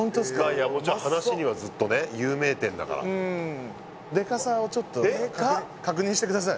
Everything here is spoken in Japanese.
いやもちろん話にはずっとね有名店だからうんデカさをちょっと確認してください